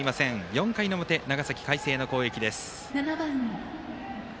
４回の表、長崎・海星の攻撃です。